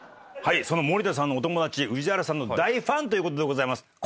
森田さんのお友達宇治原さんの大ファンということでございます。